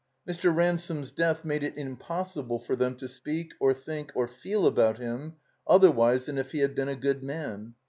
Mr. Ransome's death made it impossible for them to speak or think or feel about him otherwise than if he had been a good man.